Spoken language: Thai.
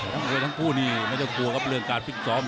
แต่ทั้งผู้นี้ไม่ได้กลัวครับเรื่องการฟิกซอม